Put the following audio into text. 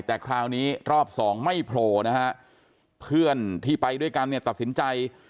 แต่คราวนี้รอบสองไม่โผล่นะฮะเพื่อนที่ไปด้วยกันเนี่ยตัดสินใจ